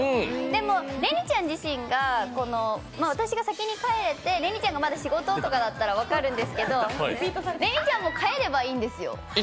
でも、れにちゃん自身が私が先に帰れてれにちゃんがまだ仕事とかだったら分かるんですけどれにちゃんも帰ればいいんですよ。